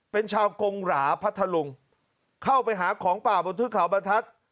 เป็นชาวกงหราพัทธลุงเข้าไปหาของป่าบนเทือกเขาบรรทัศน์